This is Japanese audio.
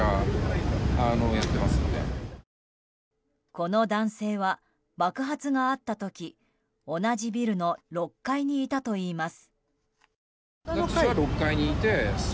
この男性は爆発があった時同じビルの６階にいたといいます。